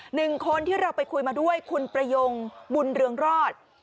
หนึ่งคนที่เราไปคุยมาด้วยคุณประยงบุญเรืองรอด